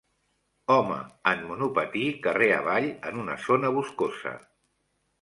Home en monopatí carrer avall en una zona boscosa.